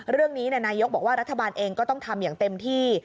เรื่องนี้นายกบอกว่ารัฐบาลเองก็ต้องทำอย่างเต็มที่